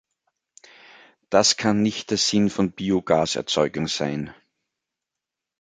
Das kann nicht der Sinn von Biogaserzeugung sein!